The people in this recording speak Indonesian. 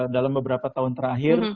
dalam beberapa tahun terakhir